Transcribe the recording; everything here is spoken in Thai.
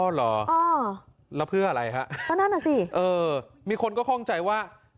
อ๋อเหรอแล้วเพื่ออะไรครับเออมีคนก็ค่องใจว่า